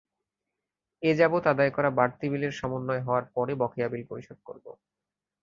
এযাবৎ আদায় করা বাড়তি বিলের সমন্বয় হওয়ার পরে বকেয়া বিল পরিশোধ করব।